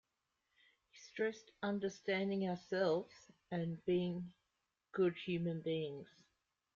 He stressed understanding ourselves and being good human beings.